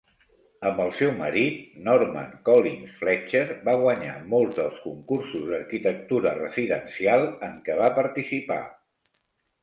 Amb el seu marit, Norman Collings Fletcher, va guanyar molts dels concursos d'arquitectura residencial en què va participar.